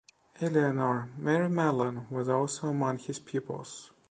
Eleanor Mary Mellon was also among his pupils.